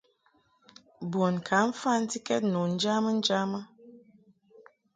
Bun ka mfantikɛd nu njamɨ njamɨ.